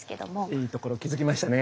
いいところ気付きましたね。